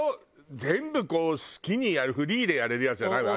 全部こう好きにやるフリーでやれるやつじゃないわよ？